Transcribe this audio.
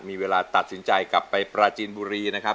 มีเวลาตัดสินใจกลับไปปราจีนบุรีนะครับ